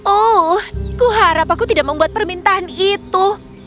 oh kuharap aku tidak membuat permintaan itu